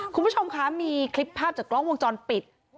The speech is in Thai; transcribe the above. คุณผู้ชมคะมีคลิปภาพจากกล้องวงจรปิด